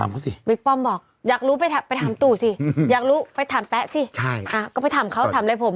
วิกป้อมบอกอยากรู้ไปถามปลูกสิก็ไปถามเขาถามเลยผม